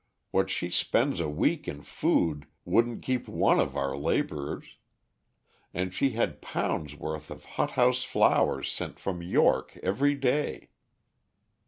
What she spends a week in food wouldn't keep one of our laborers. And she had pounds' worth of hot house flowers sent from York every day."